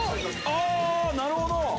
ああなるほど！